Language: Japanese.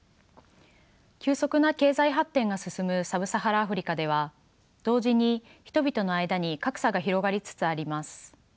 急速な経済発展が進むサブサハラアフリカでは同時に人々の間に格差が広がりつつあります。